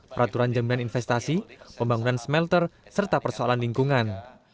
peraturan jaminan investasi pembangunan smelter serta persoalan lingkungan